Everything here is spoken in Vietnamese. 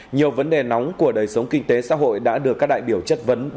nhiều vấn đề nóng của đời sống kinh tế xã hội đã được các đại biểu chất vấn